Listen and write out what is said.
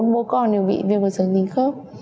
bốn bố con đều bị viêm cột sống dính khớp